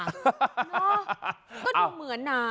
ก็ดูเหมือนน่ะ